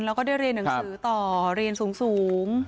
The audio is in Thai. แล้วก็ได้เรียนหนังสือต่อเรียนสูง